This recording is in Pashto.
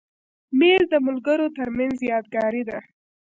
مېز د ملګرو تر منځ یادګاري دی.